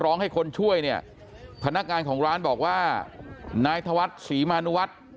ร้องให้คนช่วยเนี่ยพนักงานของร้านบอกว่านายธวัฒน์ศรีมานุวัฒน์